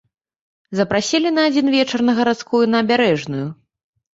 Запрасілі на адзін вечар на гарадскую набярэжную.